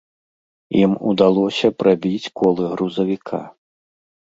Ім удалося прабіць колы грузавіка.